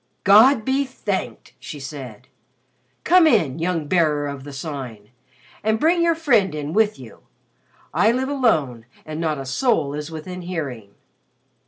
"God be thanked!" she said. "Come in, young Bearer of the Sign, and bring your friend in with you. I live alone and not a soul is within hearing."